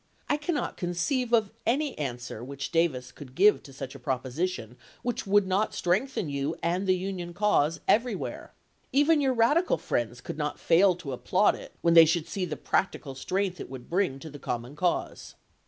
I cannot conceive of any answer which Davis could give to such a propo sition which would not strengthen you and the Union cause everywhere. Even your radical friends could not fail to applaud it when they should see the practical strength it would bring to the common cause.